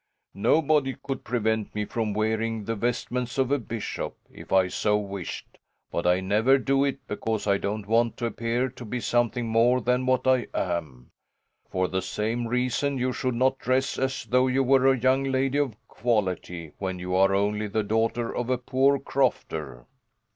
Nobody could prevent me from wearing the vestments of a bishop, if I so wished; but I never do it because I don't want to appear to be something more than what I am. For the same reason you should not dress as though you were a young lady of quality, when you are only the daughter of a poor crofter."